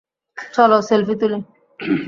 চলো সেলফি তুলি!